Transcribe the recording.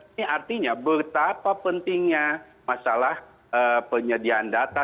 ini artinya betapa pentingnya masalah penyediaan data